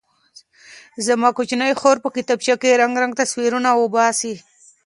زما کوچنۍ خور په کتابچه کې رنګارنګ تصویرونه وباسي.